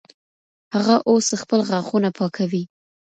هغه اوس خپل غاښونه پاکوي.